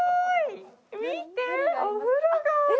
見てお風呂がある！